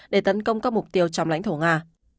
để tấn công các mục tiêu trong lãnh thổ nga